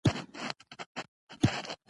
په فراه ولایت کې د سواد کچه ډېره کښته ده .